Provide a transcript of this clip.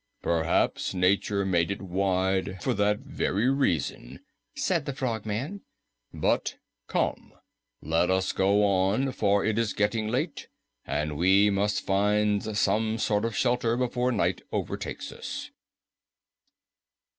"Perhaps nature made it wide for that very reason," said the Frogman. "But come, let us now go on, for it is getting late and we must find some sort of shelter before night overtakes us."